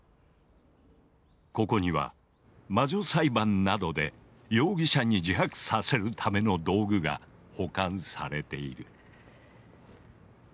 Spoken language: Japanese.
ここには魔女裁判などで容疑者に自白させるための道具が保管されている。